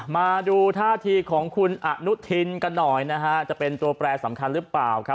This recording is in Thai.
มาดูท่าทีของคุณอนุทินกันหน่อยนะฮะจะเป็นตัวแปรสำคัญหรือเปล่าครับ